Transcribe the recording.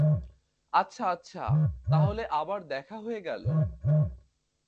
আচ্ছা, আচ্ছা, তাহলে আবার দেখা হয়ে গেল।